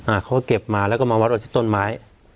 เขาก็เก็บมาแล้วก็มาวัดเอาที่ต้นไม้